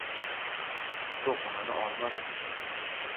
To‘qimini olmadim.